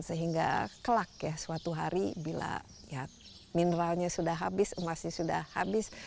sehingga kelak ya suatu hari bila ya mineralnya sudah habis emasnya sudah habis